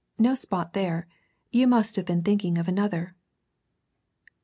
"No spot there. You must have been thinking of another."